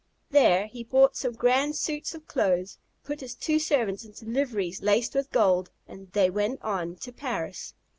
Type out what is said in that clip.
There he bought some grand suits of clothes, put his two servants into liveries laced with gold, and they went on to Paris.